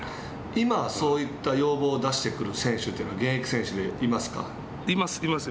今そういった要望を出してくる選手というのはいます、います。